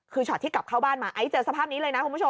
คือช็อตที่กลับเข้าบ้านมาไอ้เจอสภาพนี้เลยนะคุณผู้ชม